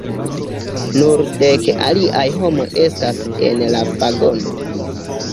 Nur dek aliaj homoj estas en la vagono.